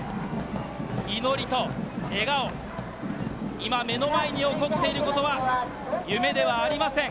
祈りと笑顔、今、目の前に起こっていることは夢ではありません。